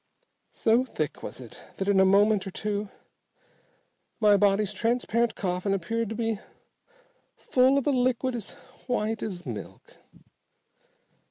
So thick was it that in a moment or two my body's transparent coffin appeared to be full of a liquid as white as milk.